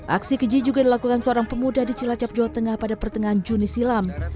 aksi keji juga dilakukan seorang pemuda di cilacap jawa tengah pada pertengahan juni silam